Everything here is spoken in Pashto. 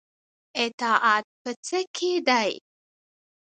اطاعت په څه کې دی؟